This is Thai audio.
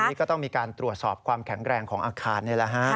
นี่ก็ต้องมีการตรวจสอบความแข็งแรงของอาคารนี่แหละฮะ